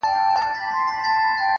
دومره پوه سوه چي مېږیان سره جنګېږي٫